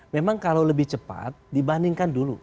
memang kalau lebih cepat dibandingkan dulu